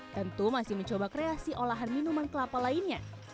tentu masih mencoba kreasi olahan minuman kelapa lainnya